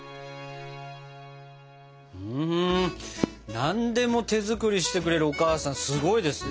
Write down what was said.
何でも手作りしてくれるお母さんすごいですね。